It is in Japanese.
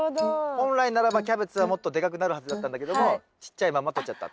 本来ならばキャベツはもっとでかくなるはずだったんだけどもちっちゃいまんまとっちゃった。